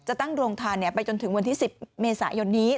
ตั้งโรงทานไปจนถึงวันที่๑๐เมษายนนี้